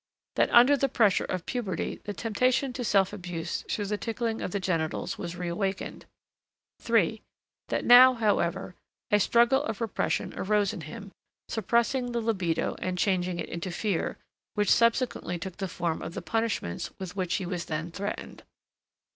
2, That under the pressure of puberty the temptation to self abuse through the tickling of the genitals was reawakened. 3, That now, however, a struggle of repression arose in him, suppressing the libido and changing it into fear, which subsequently took the form of the punishments with which he was then threatened.